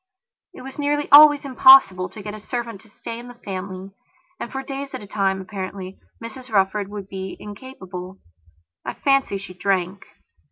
It was nearly always impossible to get a servant to stay in the family and, for days at a time, apparently, Mrs Rufford would be incapable. I fancy she drank.